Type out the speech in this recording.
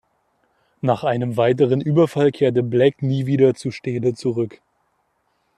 Nach einem weiteren Überfall kehrte Bleck nie wieder zu Stele zurück.